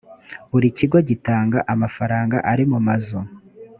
buri kigo gitanga amafaranga arimumazu